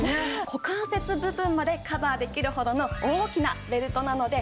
股関節部分までカバーできるほどの大きなベルトなのでは